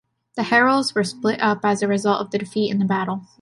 The Heruls were split up as a result of the defeat in the battle.